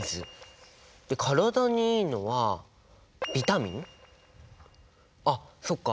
で体にいいのはビタミン？あっそっか！